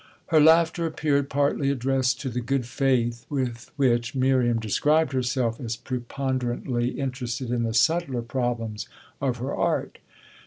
Her laughter appeared partly addressed to the good faith with which Miriam described herself as preponderantly interested in the subtler problems of her art.